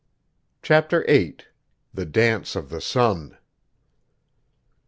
Chapter VIII. THE DANCE OF THE SUN.